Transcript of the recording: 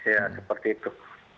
ya seperti itu